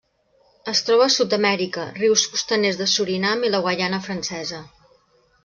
Es troba a Sud-amèrica: rius costaners de Surinam i la Guaiana Francesa.